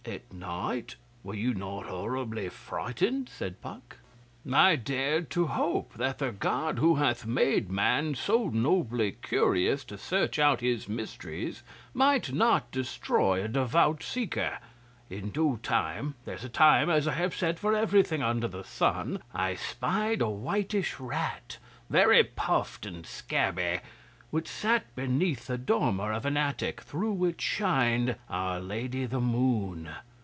'At night? Were you not horribly frightened?' said Puck. 'I dared to hope that the God who hath made man so nobly curious to search out His mysteries might not destroy a devout seeker. In due time there's a time, as I have said, for everything under the sun I spied a whitish rat, very puffed and scabby, which sat beneath the dormer of an attic through which shined our Lady the Moon.